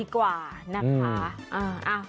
กว่านะคะ